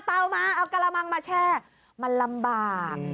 เอามาเอากระมังมาแช่มันลำบาก